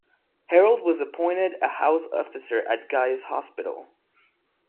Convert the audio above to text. Harold was appointed a House Officer at Guy's Hospital.